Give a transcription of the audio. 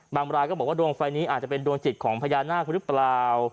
รายก็บอกว่าดวงไฟนี้อาจจะเป็นดวงจิตของพญานาคหรือเปล่า